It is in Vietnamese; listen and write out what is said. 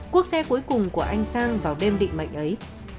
quốc xe cuối cùng của anh sang vào đêm định mệnh ấy